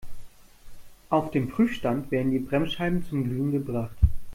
Auf dem Prüfstand werden die Bremsscheiben zum Glühen gebracht.